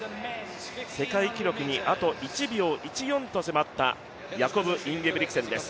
世界記録にあと１秒１４と迫ったヤコブ・インゲブリクセンです。